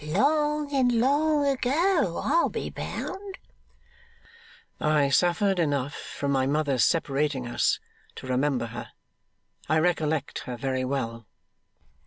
Long and long ago, I'll be bound.' 'I suffered enough from my mother's separating us, to remember her. I recollect her very well.